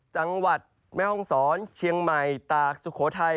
จังหวัดแม่ห้องศรเชียงใหม่ตากสุโขทัย